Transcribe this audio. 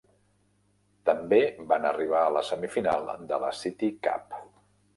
També van arribar a la semifinal de la City Cup.